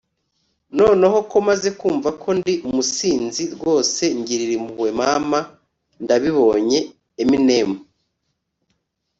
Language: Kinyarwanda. noneho ko maze kumva ko ndi umusinzi, rwose ngirira impuhwe mama. ndabibonye. - eminem